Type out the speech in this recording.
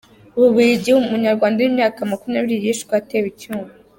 U Bubiligi Umunyarwanda w’imyaka makumyabiri yishwe atewe icyuma